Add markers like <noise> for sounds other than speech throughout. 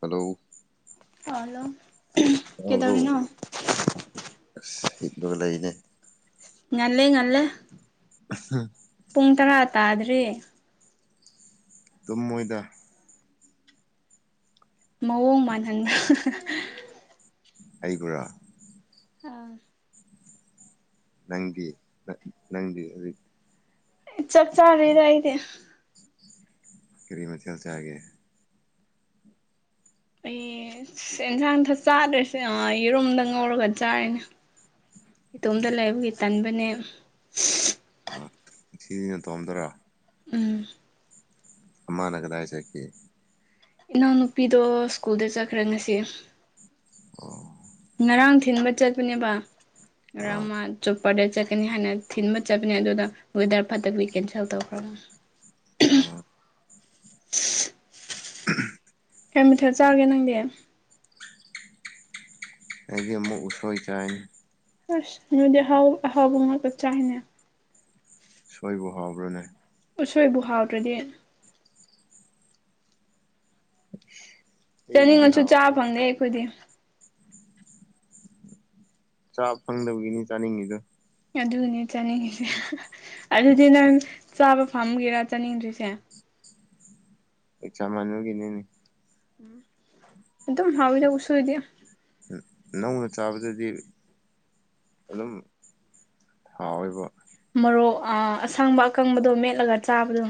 hello ꯐꯂꯣ ꯇꯥꯕ꯭ꯔꯣ ꯍꯤꯞꯄꯒ ꯂꯩꯅꯦ ꯉꯂꯦ ꯉꯂꯦ ꯑꯁ ꯍ ꯄꯨꯡ ꯇꯔꯥ ꯇꯥꯗ꯭ꯔꯤ ꯇꯨꯝꯃꯣꯏꯗ ꯃꯑꯣꯡ ꯃꯥꯟꯍꯟꯕ ꯑꯩꯒꯨꯔꯥ ꯑꯥ ꯅꯪꯗꯤ ꯅꯪꯗꯤ ꯑꯗꯨ ꯆꯥꯛ ꯆꯥꯔꯦꯗ ꯑꯩꯗꯤ ꯀꯔꯤ ꯃꯊꯦꯜ ꯆꯥꯒꯦ ꯑꯩ ꯑꯦꯟꯁꯥꯡꯊ ꯆꯥꯗ꯭ꯔꯦꯁꯦ ꯌꯦꯔꯨꯝꯗ ꯉꯧꯔꯒ ꯆꯥꯔꯤꯅꯦ ꯏꯇꯣꯝꯇ ꯂꯩꯕꯒꯤ ꯇꯟꯕꯅꯦ ꯑ ꯁꯤꯅ ꯇꯣꯝꯗꯣꯏꯔꯥ ꯎꯝ ꯃꯃꯥꯅ ꯀꯗꯥꯏ ꯆꯠꯈꯤ ꯏꯅꯥꯎꯅꯨꯄꯤꯗꯣ ꯁ꯭ꯀꯨꯜꯗ ꯆꯠꯈ꯭ꯔꯦ ꯉꯁꯤ ꯑꯣ ꯉꯔꯥꯡ ꯊꯤꯟꯕ ꯆꯠꯄꯅꯦꯕ ꯉꯔꯥꯡ ꯑꯥ ꯃꯥ ꯆꯧ ꯄꯗꯔ ꯆꯠꯀꯅꯤ ꯍꯥꯏꯅ ꯊꯤꯟꯕ ꯆꯠꯄꯅꯤ ꯑꯗꯨꯅ ꯋꯦꯗꯔ ꯐꯠꯇ ꯀꯦꯟꯁꯦꯜ ꯇꯧꯈ꯭ꯔꯕ ꯑꯣ ꯀꯩ ꯃꯊꯦꯜ ꯆꯥꯔꯒꯦ ꯅꯪꯗꯤ ꯑꯩꯗꯤ ꯑꯃꯨꯛ ꯎꯁꯣꯏ ꯆꯥꯏꯅꯤ ꯑꯁ ꯑꯗꯨꯗꯤ ꯑꯍꯥꯎ ꯑꯍꯥꯎꯕ ꯉꯥꯛꯇ ꯆꯥꯏꯅꯦ ꯎꯁꯣꯏꯕꯣ ꯍꯥꯕ꯭ꯔꯣꯅꯦ ꯑꯁꯣꯏꯕꯨ ꯍꯥꯎꯗ꯭ꯔꯗꯤ ꯑꯩꯒꯤꯗꯤ ꯆꯥꯅꯤꯡꯉꯁꯨ ꯆꯥꯕ ꯍꯥꯎꯇꯦꯗ ꯐꯪꯗꯦ ꯑꯩꯈꯣꯏꯗꯤ ꯆꯥꯕ ꯐꯪꯗꯕꯒꯤꯅꯤ ꯆꯥꯅꯤꯡꯉꯤꯗꯣ ꯑꯗꯨꯅꯦ ꯆꯥꯅꯤꯡꯉꯁꯦ ꯑꯗꯨꯗꯤ ꯅꯪ ꯆꯥꯕ ꯐꯝꯒꯦꯔꯥ ꯆꯥꯅꯤꯡꯗ꯭ꯔꯤꯁꯦ ꯑꯦꯛꯖꯥꯝ ꯃꯅꯨꯡꯒꯤꯅꯤꯅꯦ ꯑꯦ ꯑꯗꯨꯣ ꯍꯥꯎꯕꯤꯗ ꯎꯁꯣꯏꯗꯦ ꯅꯧꯅ ꯆꯥꯕꯗꯗꯤ ꯑꯗꯨꯝ ꯍꯥꯎꯋꯦꯕ ꯃꯔꯣꯔꯣꯛ ꯑ ꯑꯁꯪꯕ ꯑꯀꯪꯕꯗꯣ ꯃꯦꯠꯂꯒ ꯆꯥꯕꯗꯣ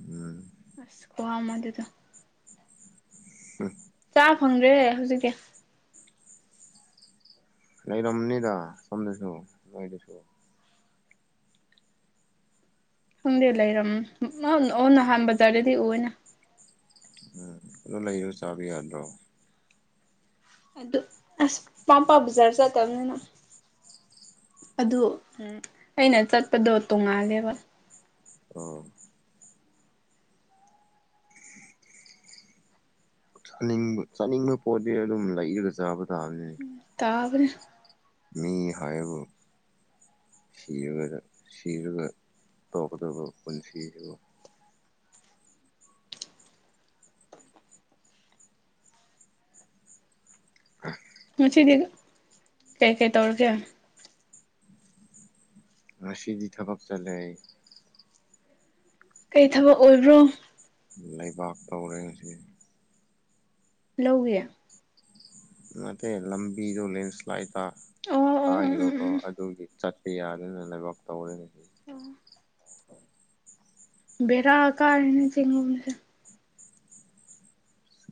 ꯎꯝ ꯑꯁ ꯋꯥ ꯑꯃ ꯑꯗꯨꯗꯣ ꯎꯝ ꯆꯥ ꯐꯪꯗ꯭ꯔꯦ ꯍꯧꯖꯤꯛꯀꯤ ꯂꯩꯔꯝꯅꯤꯗ ꯁꯣꯝꯗꯁꯨ ꯅꯣꯏꯗꯨꯁꯨ ꯈꯪꯗꯦ ꯂꯩꯔꯝ ꯑꯣ ꯅꯍꯥꯟ ꯕꯖꯥꯔꯗꯗꯤ ꯎ ꯑꯣꯏꯅ ꯎꯝ ꯑꯗꯨ ꯂꯩꯔ ꯆꯥꯕ ꯌꯥꯗ꯭ꯔꯣ ꯑꯗꯨ ꯑꯁ ꯄꯥꯝꯄꯥ ꯕꯖꯥꯔ ꯆꯠꯇꯕꯅꯤꯅ ꯑꯗꯨ ꯑꯩꯅ ꯆꯠꯄꯗꯣ ꯇꯣꯡꯉꯥꯜꯂꯦꯕ ꯑꯣ ꯆꯥꯅꯤꯡꯕ ꯆꯥꯅꯤꯡꯕ ꯄꯣꯠꯇꯤ ꯑꯗꯨꯝ ꯂꯩꯔꯒ ꯆꯥꯕ ꯇꯥꯕꯅꯤꯅꯦ ꯇꯥꯕꯅꯤ ꯃꯤ ꯍꯥꯏꯕꯨ ꯁꯤꯔꯒꯗ ꯁꯤꯔꯒ ꯇꯧꯀꯗꯕ ꯄꯨꯟꯁꯤꯁꯨ <unintelligible> ꯃꯆꯤꯗꯤ ꯀꯩ ꯀꯩ ꯇꯧꯔ ꯀꯌꯥ ꯉꯁꯤꯗꯤ ꯊꯕꯛ ꯆꯠꯂꯦ ꯑꯩ ꯀꯩ ꯊꯕꯛ ꯑꯣꯏꯕ꯭ꯔꯣ ꯂꯩꯕꯥꯛ ꯇꯧꯔꯦ ꯉꯁꯤ ꯂꯧꯦ ꯅꯠꯇꯦ ꯂꯝꯕꯤꯗꯣ ꯂꯦꯟꯁ꯭ꯂꯥꯏꯗꯠꯇ ꯑꯣ ꯑꯣ ꯎꯝ ꯇꯥꯈꯤꯕꯀꯣ ꯎꯝ ꯑꯗꯨꯒꯤ ꯆꯠ ꯑꯩ ꯌꯥꯗꯅ ꯂꯩꯕꯥꯛ ꯇꯧꯔꯦꯅ ꯑꯣ <unintelligible> ꯕꯦꯔꯥ ꯀꯥꯔꯤꯦꯅ ꯆꯤꯡꯉꯨꯁꯦ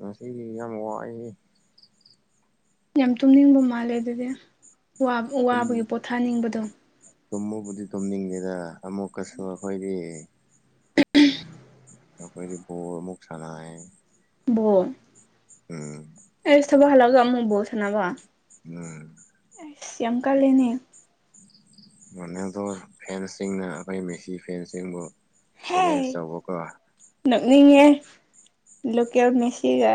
ꯑꯁ ꯏ ꯃꯋꯥꯖ ꯍꯦ ꯌꯥꯝ ꯇꯨꯝꯅꯤꯡꯕ ꯃꯥꯜꯂꯦ ꯑꯗꯨꯗꯤ ꯋꯥꯕꯒꯤ ꯄꯣꯊꯥꯅꯤꯡꯕꯗꯣ ꯇꯨꯝꯃꯨꯕꯨꯗꯤ ꯇꯨꯝꯅꯤꯡꯗꯦꯗ ꯑꯃꯨꯛꯀꯁꯨ ꯑꯩꯈꯣꯏꯗꯤ ꯑꯩꯈꯣꯏꯗꯤ ꯕꯣꯜ ꯃꯨꯛ ꯁꯅꯩꯌꯦꯅꯦ ꯕꯣꯃ ꯎꯝ ꯊꯕ ꯍꯥꯜꯂꯒ ꯑꯃꯨꯛ ꯕꯣꯜ ꯁꯥꯟꯅꯕ ꯎꯝ ꯑꯩꯁ ꯌꯥꯝ ꯀꯥꯂꯦꯅꯦ ꯔꯣꯅꯥꯜꯗꯣ ꯐꯦꯟꯁꯤꯡꯅ ꯑꯩꯈꯣꯏ ꯃꯦꯁꯤ ꯐꯦꯟꯁꯤꯡꯕꯨ ꯆꯦꯂꯦꯟꯖ ꯍꯦ ꯇꯧꯕꯀꯣ ꯅꯣꯛꯅꯤꯡꯉꯦ ꯂꯣꯀꯦꯜ ꯃꯦꯁꯤꯒ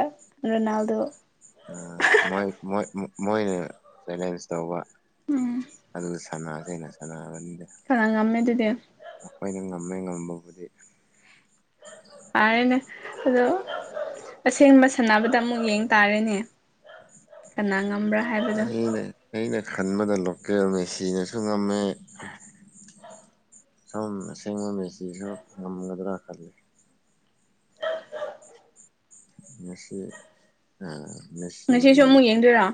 ꯔꯣꯅꯥꯜꯗꯣ ꯃꯣꯏ ꯃꯣꯏꯅ ꯆꯦꯂꯦꯟꯖ ꯇꯧꯕ ꯎꯝ ꯑꯗꯨꯒ ꯁꯅꯥꯁꯦꯅ ꯁꯅꯕꯅꯤꯗ ꯈꯔ ꯉꯝꯃꯦ ꯑꯗꯨꯗꯤ ꯑꯩꯈꯣꯏꯗꯤ ꯉꯝꯃꯦ ꯉꯝꯕꯕꯨꯗꯤ ꯇꯥꯔꯦꯅꯦ ꯑꯗꯣ ꯑꯁꯦꯡꯕ ꯁꯥꯟꯅꯕꯗ ꯑꯃꯨꯛ ꯌꯦꯡ ꯇꯥꯔꯦꯅꯦ ꯀꯅꯥ ꯉꯝꯕ꯭ꯔꯥ ꯍꯥꯏꯕꯗꯣ ꯑꯩꯅ ꯑꯩꯅ ꯈꯟꯕꯗ ꯂꯣꯀꯦꯜ ꯃꯦꯁꯤꯟꯅꯁꯨ ꯉꯝꯃꯦ ꯁꯨꯝ ꯑꯁꯦꯡꯕ ꯃꯦꯁꯤꯁꯨ ꯉꯝꯒꯗ꯭ꯔꯥ ꯈꯜꯂꯤ ꯉꯁꯤ ꯅꯥ ꯉꯁꯤꯁꯨ ꯃꯦꯁꯤꯒꯤ ꯑꯃꯨꯛ ꯌꯦꯡꯗꯣꯏꯔꯣ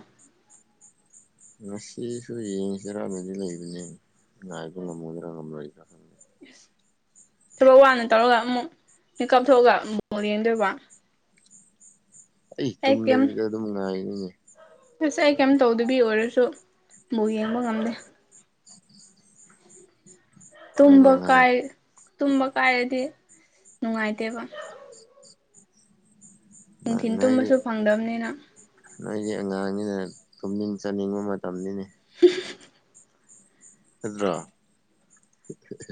ꯉꯁꯤꯁꯨ ꯌꯦꯡꯁꯤꯔꯥꯅꯗꯤ ꯂꯩꯕꯅꯤ ꯉꯥꯏꯕ ꯉꯝꯒꯗ꯭ꯔꯥ ꯉꯝꯂꯣꯏꯗ꯭ꯔꯥ ꯈꯪꯗꯦ ꯊꯕꯛ ꯋꯥꯅ ꯇꯧꯔꯒ ꯑꯃꯨꯛ ꯃꯦꯀꯞ ꯊꯣꯛꯑꯒ ꯑꯃꯨꯛ ꯕꯣꯜ ꯌꯦꯡꯗꯣꯏꯕ ꯑꯩ ꯇꯨꯝꯗꯕꯤꯗ ꯑꯗꯨꯝ ꯉꯥꯏꯅꯤꯅꯦ ꯑꯁ ꯑꯩ ꯀꯩꯝ ꯇꯧꯗꯕꯤ ꯑꯣꯏꯔꯁꯨ ꯕꯣꯜ ꯌꯦꯡꯕ ꯉꯝꯗꯦ ꯅꯣꯏꯗꯤ ꯇꯨꯝꯕ ꯑꯉꯥꯡ ꯀꯥꯏ ꯇꯨꯝꯕ ꯀꯥꯏꯔꯗꯤ ꯅꯨꯡꯉꯥꯏꯇꯦꯕ ꯅꯨꯡꯊꯤꯟ ꯃꯥꯏ ꯃꯥꯒꯤ ꯇꯨꯝꯕꯁꯨ ꯐꯪꯗꯕꯅꯤꯅ ꯅꯣꯏꯗꯤ ꯑꯉꯥꯡꯅꯤꯅ ꯇꯨꯝꯅꯤꯡ ꯆꯥꯅꯤꯡꯕ ꯃꯇꯝꯅꯤꯅꯦ <unintelligible> ꯅꯠꯇ꯭ꯔꯣ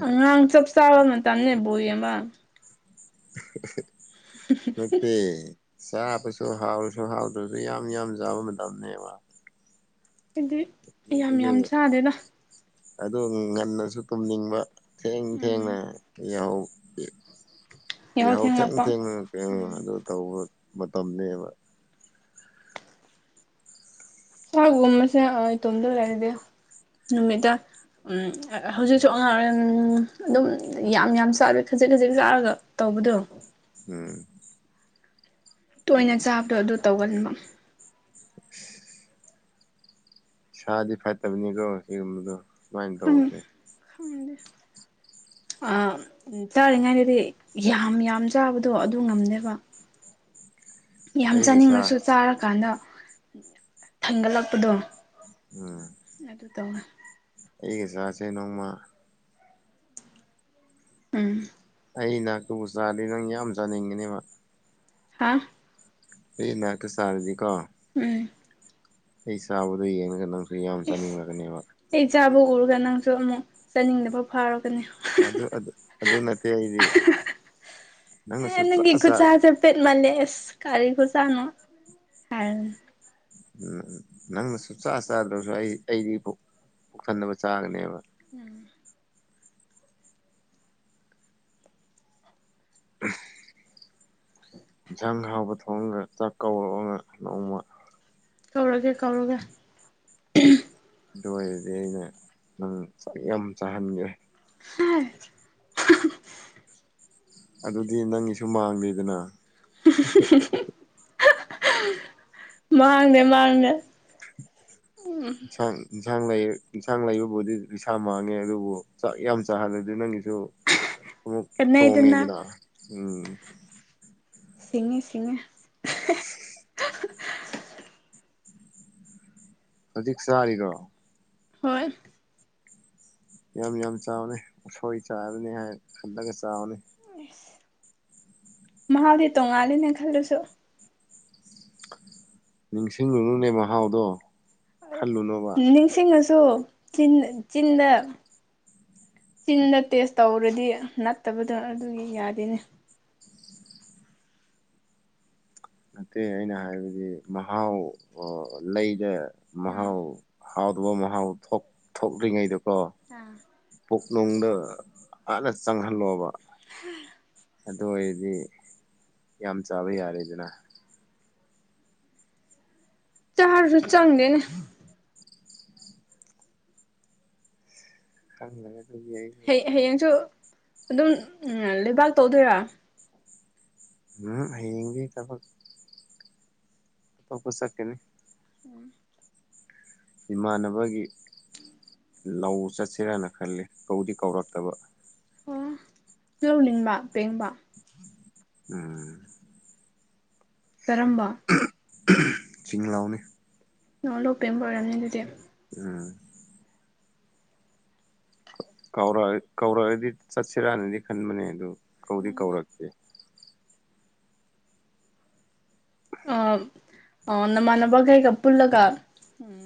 ꯑꯉꯥꯡ ꯆꯞ ꯆꯥꯕ ꯃꯇꯝꯅꯦ ꯕꯣꯜ ꯌꯦꯡꯕ ꯅꯠꯇꯦ ꯆꯥꯕꯁꯨ ꯍꯥꯎꯔꯁꯨ ꯍꯥꯎꯗ꯭ꯔꯁꯨ ꯌꯥꯝ ꯌꯥꯝ ꯆꯥꯕ ꯃꯇꯝꯅꯦꯕ ꯑꯩꯗꯤ ꯌꯥꯝ ꯑꯗꯨ ꯌꯥꯝ ꯆꯥꯗꯦꯗ ꯑꯗꯨ ꯉꯟꯅꯁꯨ ꯇꯨꯝꯅꯤꯡꯕ ꯊꯦꯡ ꯎꯝ ꯊꯦꯡꯅ ꯌꯥꯍꯧ ꯌꯥꯍꯧ ꯌꯍꯥꯎ ꯊꯦꯡ ꯊꯦꯡꯂꯛꯄ ꯊꯦꯡꯅ ꯎꯝ <unintelligible> ꯑꯗꯨ ꯇꯧꯕ ꯃꯇꯝꯅꯦꯕ ꯁꯥꯒꯨꯝꯕꯁꯦ ꯏꯇꯣꯝꯗ ꯂꯩꯗꯤ ꯅꯨꯃꯤꯠꯗ ꯎꯝ ꯍꯧꯖꯤꯛꯁꯨ ꯑꯉꯥꯡ ꯑꯝ ꯑꯗꯨꯝ ꯌꯥꯝ ꯌꯥꯝ ꯆꯥꯗꯦ ꯈꯖꯤꯛ ꯈꯖꯤꯛ ꯆꯥꯔꯒ ꯇꯧꯕꯗꯣ ꯎꯝ ꯇꯣꯏꯅ ꯆꯥꯕꯗꯣ ꯑꯗꯨ ꯇꯧꯒꯟꯕ ꯁꯥꯗꯤ ꯐꯠꯇꯕꯅꯤꯀꯣ ꯏꯔꯨꯝꯕꯗꯣ ꯁꯨꯃꯥꯏꯅ ꯈꯪ ꯇꯧꯕꯁꯦ ꯈꯪꯗꯦ ꯑꯥ ꯆꯥꯔꯤꯉꯩꯗꯗꯤ ꯌꯥꯝ ꯌꯥꯝ ꯆꯥꯕꯗꯣ ꯑꯗꯨ ꯉꯝꯗꯦꯕ ꯌꯥꯝ ꯑꯩꯒ ꯆꯥ ꯆꯥꯅꯤꯡꯉꯁꯨ ꯆꯥꯔꯀꯥꯟꯗ ꯊꯥꯡꯒꯠꯂꯛꯄꯗꯣ ꯎꯝ ꯑꯗꯨ ꯇꯧꯅ ꯑꯩꯒ ꯆꯥꯁꯦ ꯅꯣꯡꯃ ꯎꯝ ꯑꯩꯅ ꯇꯨ ꯆꯥꯔꯗꯤ ꯅꯪ ꯌꯥꯝ ꯆꯥꯅꯤꯡꯉꯅꯦꯕ ꯍꯥꯥ ꯑꯩ ꯅꯥꯛꯇ ꯆꯔꯗꯤꯀꯣ ꯎꯝ ꯑꯩ ꯆꯥꯕꯗꯣ ꯌꯦꯡꯉꯒ ꯅꯪꯁꯨ ꯌꯥꯝ ꯏꯁ ꯆꯥꯅꯤꯡꯂꯛꯒꯅꯦꯕ ꯑꯩ ꯆꯥꯕ ꯎꯔꯒ ꯅꯪꯁꯨ ꯑꯃꯨꯛ ꯆꯥꯅꯤꯡꯗꯕ ꯐꯥꯎꯔꯒꯅꯤ ꯑꯗꯨ ꯑꯗꯨ ꯅꯠꯇꯦ ꯑꯩꯗꯤ ꯅꯪꯅ ꯑꯦ ꯁꯨꯆꯥ ꯅꯪꯒꯤ ꯆꯥ ꯈꯨꯠꯁꯥꯁꯦ ꯄꯦꯠ ꯃꯥꯂꯦꯁ ꯀꯥꯔꯤꯕ ꯈꯨꯆꯥꯅꯣ ꯎꯝ ꯎꯝ ꯅꯪꯅ ꯁꯨꯡꯆꯥ ꯆꯥꯗ꯭ꯔꯁꯨ ꯑꯩ ꯑꯩꯗꯤ ꯄꯨꯛ ꯄꯨꯛꯊꯟꯅꯅꯕ ꯆꯥꯒꯅꯦꯕ ꯎꯝ ꯏꯟꯁꯥꯡ ꯍꯥꯎꯕ ꯊꯣꯡꯑꯒ ꯆꯥꯛ ꯀꯧꯔꯛꯑꯒ ꯅꯣꯡꯃ ꯀꯧꯔꯒꯦ ꯀꯧꯔꯒꯦ ꯑꯗꯨ ꯑꯣꯏꯔꯗꯤ ꯑꯩꯅ ꯅꯪ ꯆꯥꯛ ꯌꯥꯝ ꯆꯥꯍꯟꯒꯦ <unintelligible> ꯑꯗꯨꯗꯤ ꯅꯪꯒꯤꯁꯨ ꯃꯥꯡꯗꯦꯗꯅ <unintelligible> ꯃꯥꯡꯗꯦ ꯃꯥꯡꯗꯦ ꯏꯟꯁꯥꯡ ꯏꯟꯁꯥꯡ ꯂꯩ ꯏꯟꯁꯥꯡ ꯂꯩꯕꯕꯨꯗꯤ ꯔꯤꯁꯥ ꯃꯥꯡꯉꯦ ꯑꯗꯨꯕꯨ ꯆꯥꯛ ꯌꯥꯝ ꯆꯥꯍꯜꯂꯗꯤ ꯅꯪꯒꯤꯁꯨ <unintelligible> ꯑꯃꯨꯛ ꯀꯅꯩꯗꯅ ꯇꯣꯡꯉꯦꯗꯅ ꯎꯝ ꯁꯤꯡꯉꯦ ꯁꯤꯡꯉꯦ ꯍꯧꯖꯤꯛ ꯆꯥꯔꯤꯔꯣ ꯍꯣꯏ ꯌꯥꯝ ꯌꯥꯝ ꯆꯥꯎꯅꯦ ꯎꯁꯣꯏ ꯆꯥꯔꯅꯤ ꯍꯥꯏ ꯈꯜꯂꯒ ꯆꯥꯎꯅꯦ ꯃꯍꯥꯎꯗꯤ ꯇꯣꯡꯉꯥꯜꯂꯤꯅꯦ ꯈꯜꯂꯁꯨ ꯅꯤꯡꯁꯤꯡꯂꯨꯅꯨꯅꯦ ꯃꯍꯥꯎꯗꯣ ꯈꯜꯂꯨꯅꯣ ꯅꯤꯡꯁꯤꯡꯉꯁꯨ ꯆꯤꯟꯗ ꯆꯤꯟꯗ ꯇꯦꯁ ꯇꯧꯔꯗꯤ ꯅꯠꯇꯕꯗꯣ ꯑꯗꯨꯒꯤ ꯌꯥꯗꯦꯅꯦ ꯅꯠꯇꯦ ꯑꯩꯅ ꯍꯥꯏꯕꯗꯤ ꯃꯍꯥꯎ ꯂꯩꯗ ꯎꯝ ꯃꯍꯥꯎ ꯍꯥꯎꯗꯕ ꯃꯍꯥꯎ ꯊꯣꯛ ꯊꯣꯛꯔꯤꯉꯩꯗꯀꯣ ꯑꯥ ꯄꯨꯣꯛꯅꯨꯡꯗ ꯑꯥꯟꯅ ꯆꯪꯍꯜꯂꯣꯕ ꯍꯥ ꯑꯗꯨ ꯑꯣꯏꯔꯗꯤ ꯌꯥꯝ ꯆꯥꯕ ꯌꯥꯔꯦꯗꯅ ꯆꯥꯔꯁꯨ ꯆꯪꯗꯦꯅꯦ ꯈꯪꯗ꯭ꯔꯦ ꯑꯗꯨꯗꯤ ꯑꯩ ꯍꯩ ꯍꯌꯦꯡꯁꯨ ꯑꯗꯨꯝ ꯂꯩꯕꯥꯛ ꯇꯧꯗꯣꯏꯔꯥ ꯎꯝ ꯍꯌꯦꯡꯗꯤ ꯊꯕꯛ ꯑꯇꯣꯞꯄ ꯆꯠꯀꯅꯤ ꯎꯝ ꯏꯃꯥꯟꯅꯕꯒꯤ ꯂꯧ ꯆꯠꯁꯤꯔꯥꯅ ꯈꯜꯂꯤ ꯀꯧꯗꯤ ꯀꯧꯔꯛꯇꯕ ꯑꯣ ꯂꯧꯅꯤꯡꯕ ꯄꯦꯡꯕ ꯎꯝ ꯀꯔꯝꯕ ꯆꯤꯡ ꯂꯥꯎꯅꯤ ꯑꯣ ꯂꯧ ꯄꯦꯡꯕ ꯑꯣꯏꯔꯝꯅꯤ ꯑꯗꯨꯗꯤ ꯎꯝ ꯀꯧꯔꯛ ꯀꯧꯔꯛꯑꯗꯤ ꯆꯠꯁꯤꯔꯥꯅꯗꯤ ꯈꯟꯕꯅꯦ ꯑꯗꯨ ꯀꯧꯗꯤ ꯀꯧꯔꯛꯇꯦ ꯑ ꯑ ꯅꯃꯟꯕꯥ ꯈꯩꯒ ꯄꯨꯜꯂꯒ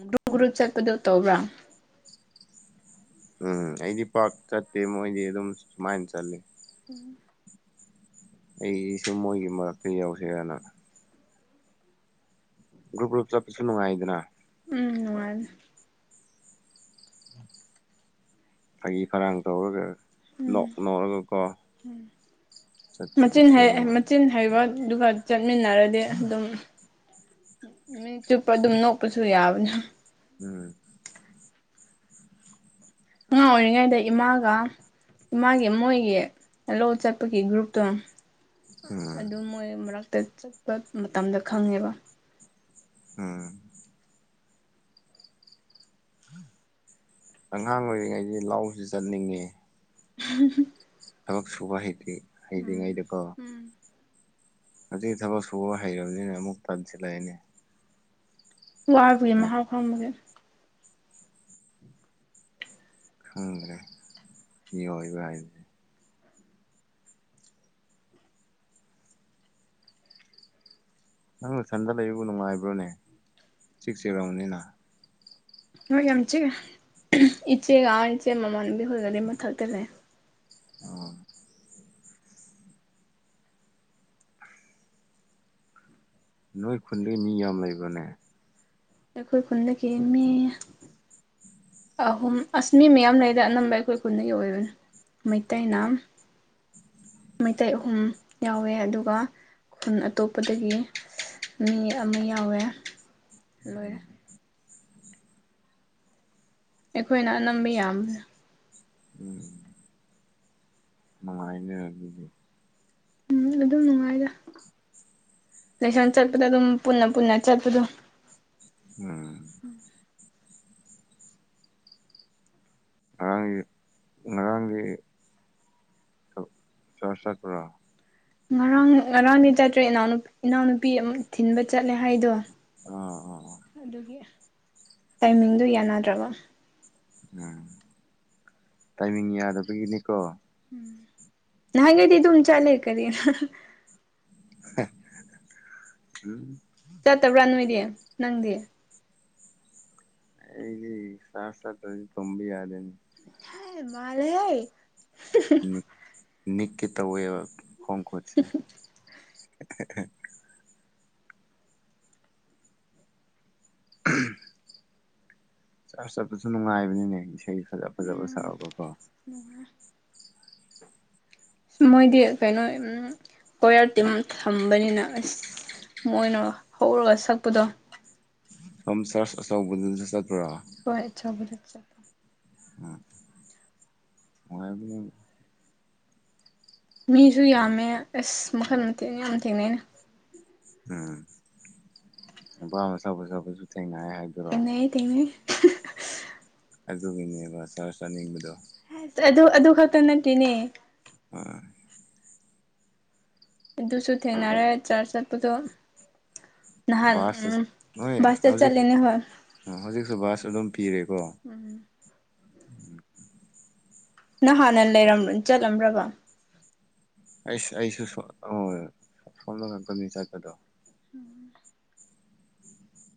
ꯒ꯭ꯔꯨ ꯒ꯭ꯔꯨꯞ ꯆꯠꯄꯗꯣ ꯇꯧꯕ꯭ꯔꯥ ꯎꯝ ꯑꯩꯗꯤ ꯄꯥꯛ ꯆꯠꯇꯦ ꯃꯣꯏꯗꯤ ꯑꯗꯨꯝ ꯁꯨꯃꯥꯏꯅ ꯆꯠꯂꯦ ꯎꯝ ꯑꯩꯁꯨ ꯃꯣꯏꯒꯤ ꯃꯔꯛꯇ ꯌꯎꯁꯦꯔꯥꯅꯥ ꯒ꯭ꯔꯨꯞ ꯒ꯭ꯔꯨꯞ ꯆꯠꯄꯁꯨ ꯅꯨꯡꯉꯥꯏꯗꯅ ꯎꯝ ꯅꯨꯡꯉꯥꯏ ꯐꯥꯒꯤ ꯐꯔꯥꯡ ꯇꯧꯔꯒ ꯎꯝ ꯅꯣꯛ ꯅꯣꯛꯔꯒꯀꯣ ꯆꯠꯄꯗꯁꯨ ꯅꯨꯡꯉꯥꯏ ꯍꯩꯕꯗꯨꯒ ꯆꯠꯃꯤꯟꯅꯔꯗꯤ ꯑꯗꯨꯝ ꯅꯨꯃꯤꯠ ꯆꯨꯞꯄ ꯑꯗꯨꯝ ꯅꯣꯛꯄꯁꯨ ꯌꯥꯕꯅꯦ ꯎꯝ ꯑꯉꯥꯡ ꯑꯣꯏꯔꯤꯉꯩꯗ ꯏꯃꯥꯒ ꯏꯃꯥꯒꯤ ꯃꯣꯏꯒꯤ ꯂꯧ ꯆꯠꯄꯒꯤ ꯒ꯭ꯔꯨꯞꯇꯣ ꯎꯝ ꯑꯗꯨ ꯃꯣꯏ ꯃꯔꯛꯇ ꯆꯠꯄ ꯃꯇꯝꯗ ꯈꯪꯉꯦꯕ ꯎꯝ <inaudible> ꯑꯉꯥꯡ ꯑꯣꯏꯔꯤꯉꯩꯗꯤ ꯂꯥꯎꯁꯤ ꯆꯠꯅꯤꯡꯉꯦ <inaudible> ꯊꯕꯛ ꯁꯨꯕ ꯍꯩ ꯎꯝ ꯍꯩꯇ꯭ꯔꯤꯉꯩꯗꯀꯣ ꯎꯝ ꯍꯧꯖꯤꯛ ꯊꯕꯛ ꯁꯨꯕ ꯍꯩꯔꯕꯅꯤꯅ ꯑꯃꯨꯛ ꯇꯟꯁꯤꯜꯂꯛꯏꯅꯦ ꯋꯥꯕꯒꯤ ꯃꯍꯥꯎ ꯈꯪꯕꯒꯤ ꯈꯪꯗ꯭ꯔꯦ ꯏꯏ ꯏ ꯅꯪꯅ ꯁꯟꯗ ꯂꯩꯕꯕꯨ ꯅꯨꯡꯉꯥꯏꯕ꯭ꯔꯣꯅꯦ ꯁꯤꯛꯁ ꯑꯦ ꯔꯥꯎꯟꯅꯤꯅ ꯍꯣꯏ ꯌꯥꯝ ꯆꯤꯒ ꯏꯆꯦꯒ ꯏꯆꯦ ꯃꯃꯥꯟꯅꯕꯤ ꯍꯣꯏꯒꯗꯤ ꯃꯊꯛꯇꯔꯦ ꯑꯣ ꯅꯣꯏ ꯈꯨꯟꯗꯩ ꯃꯤ ꯌꯥꯝ ꯂꯩꯕꯅꯦ ꯑꯩꯈꯣꯏ ꯈꯨꯟꯗꯒꯤ ꯃꯤ ꯑꯍꯨꯝ ꯑꯁꯃꯤ ꯃꯌꯥꯝ ꯂꯩꯗ ꯑꯅꯝꯕ ꯑꯩꯈꯣꯏ ꯈꯨꯨꯟꯒꯤ ꯑꯣꯏꯕꯅꯤ ꯃꯩꯇꯩꯅ ꯃꯩꯇꯩ ꯑꯍꯨꯝ ꯌꯥꯎꯋꯦ ꯑꯗꯨꯒ ꯈꯨꯟ ꯑꯇꯣꯞꯄꯗꯒꯤ ꯃꯤ ꯑꯃ ꯌꯥꯎꯋꯦ ꯂꯣꯏꯔꯦ ꯎꯝ ꯑꯩꯈꯣꯏꯅ ꯑꯅꯝꯕ ꯌꯥꯝꯕ꯭ꯔꯥ ꯎꯝ ꯁꯃꯥꯏꯅ ꯑꯗꯨꯗꯤ ꯎꯝ ꯑꯗꯨꯝ ꯅꯨꯡꯉꯥꯏꯔ ꯂꯥꯏꯁꯪ ꯆꯠꯄꯗ ꯑꯗꯨꯝ ꯄꯨꯟꯅ ꯄꯨꯟꯅ ꯆꯠꯄꯗꯣ ꯎꯝ ꯉꯔꯥꯡꯒꯤ ꯉꯔꯥꯡꯒꯤ <unintelligible> ꯉꯔꯥꯡ ꯉꯔꯥꯡꯗꯤ ꯆꯠꯇ꯭ꯔꯦ ꯏꯅꯥꯎ ꯏꯅꯥꯎꯅꯨꯄꯤ ꯑꯃꯨ ꯊꯤꯟꯕ ꯆꯠꯂꯦ ꯍꯥꯏꯗꯣ ꯑꯥ ꯑꯥ ꯑꯗꯨꯒꯤ ꯇꯥꯏꯃꯤꯡꯗꯨꯣ ꯌꯥꯅꯗ꯭ꯔꯕ ꯎꯝ ꯇꯥꯏꯃꯤꯡ ꯌꯥꯗꯕꯒꯤꯅꯤꯀꯣ ꯎꯝ ꯅꯪꯒꯦꯗꯤ ꯑꯗꯨꯝ ꯆꯂꯦ ꯀꯔꯤ ꯎꯝ ꯆꯠꯇꯕ꯭ꯔꯥ ꯅꯣꯏꯗꯤ ꯅꯪꯗꯤ ꯑꯩꯒꯤ ꯁꯥꯠ ꯁꯠ ꯇꯣꯡꯝꯕꯤ ꯌꯥꯔꯦ ꯍꯥ ꯃꯟꯂꯦꯍꯦ ꯍꯨꯃ ꯍꯨꯝ ꯅꯀꯤ ꯇꯕꯨ ꯐꯣꯡꯁꯤ ꯆꯠ ꯆꯠꯄꯁꯨ ꯅꯨꯡꯉꯥꯏꯕꯅꯤꯅꯦ ꯏꯁꯩ ꯐꯖ ꯐꯖꯕ ꯁꯛꯑꯒ ꯀꯣ ꯎꯃꯍꯨꯝ ꯃꯣꯏꯗꯤ ꯀꯩꯅꯣ ꯎ ꯀꯣꯌꯔ ꯇꯤꯝ ꯊꯝꯕꯅꯤꯅ ꯑꯁ ꯃꯣꯏꯅ ꯍꯧꯔꯒ ꯁꯛꯄꯗꯣ ꯁꯝ ꯆꯔꯁ ꯑꯆꯧꯕꯗꯨꯅꯁꯨ ꯆꯠꯄ꯭ꯔꯥ <unintelligible> <inaudible> ꯍꯉꯥꯏꯕ ꯃꯤꯁꯨ ꯌꯥꯝꯃꯦ ꯑꯁ ꯃꯈꯜ ꯃꯊꯦꯜ ꯌꯥꯝ ꯊꯦꯡꯅꯩꯅ ꯎꯝ ꯄꯥꯝ ꯁꯕꯨ ꯁꯕꯨꯁꯨ ꯊꯅꯑ ꯍꯥꯏ ꯊꯦꯡꯅꯩꯌꯦ ꯊꯦꯡꯅꯩꯌꯦ ꯑꯗꯨꯒꯤꯅꯦꯕ ꯁꯥꯔ ꯆꯥꯅꯤꯡꯕꯗꯣ ꯑꯗꯨ ꯑꯗꯨ ꯈꯛꯇ ꯅꯠꯇ꯭ꯦꯅꯦ ꯑꯥ ꯑꯗꯨꯁꯨ ꯊꯦꯡꯅꯔꯦ ꯆꯥꯔꯆ ꯆꯠꯄꯗꯣ ꯅꯍꯥꯟ ꯕꯥꯁ ꯎꯝ ꯁꯇ ꯆꯠꯂꯦꯅꯦ ꯍꯣꯏ ꯑꯣ ꯍꯧꯖꯤꯛꯁꯨ ꯕꯥꯁ ꯑꯗꯨꯝ ꯄꯤꯔꯦꯀꯣ ꯎꯝ ꯅ ꯍꯥꯟꯅ ꯂꯩꯔꯝ ꯆꯠꯂꯝꯂ꯭ꯔꯕ ꯑꯩꯁ ꯑꯩꯁꯨ ꯁꯣꯝ ꯁꯣꯝꯗ ꯉꯥꯛꯀꯅꯤ ꯆꯠꯄꯗꯣ